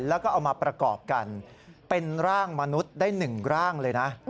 แล้วก็เอามาประกอบกันเป็นร่างมนุษย์ได้๑ร่างเลยนะ